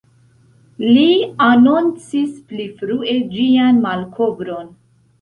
Li anoncis pli frue ĝian malkovron.